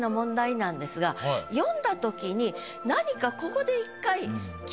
読んだときに何かここで１回。